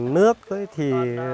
cầu xin nước với thần nước